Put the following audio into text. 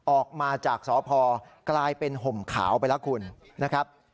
ออกมาจากสพกลายเป็นห่มขาวไปแล้วคุณนะครับ